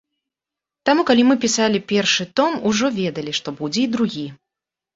Таму калі мы пісалі першы том, ужо ведалі, што будзе і другі.